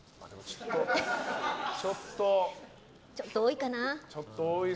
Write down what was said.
ちょっと多いかな。